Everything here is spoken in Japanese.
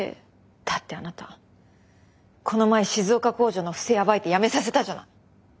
だってあなたこの前静岡工場の不正暴いて辞めさせたじゃない。